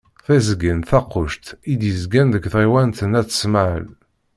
Tiẓgi n Takkuct i d-yezgan deg tɣiwant n At Smaεel.